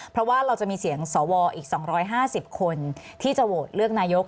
เพราะว่าเราจะมีเสียงสวอีก๒๕๐คนที่จะโหวตเลือกนายก